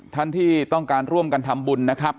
ท่านที่ต้องการร่วมกันทำบุญนะครับ